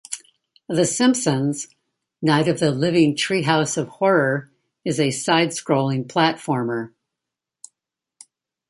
"The Simpsons: Night of the Living Treehouse of Horror" is a side-scrolling platformer.